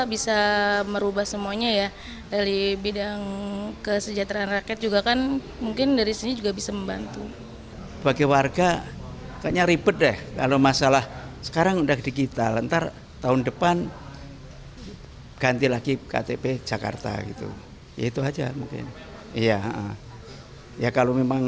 berita terkini mengenai perubahan dkj nya